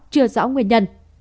chưa rõ nguyên nhân